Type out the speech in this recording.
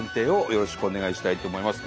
よろしくお願いします。